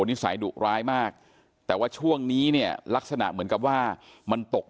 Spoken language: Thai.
นิสัยดุร้ายมากแต่ว่าช่วงนี้เนี่ยลักษณะเหมือนกับว่ามันตก